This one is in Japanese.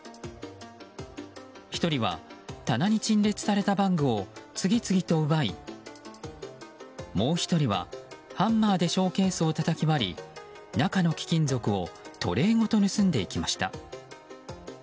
１人は棚に陳列されたバッグを次々と奪いもう１人は、ハンマーでショーケースをたたき割り中の貴金属をトレイごと盗んでいきました。